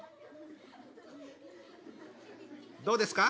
どうですか？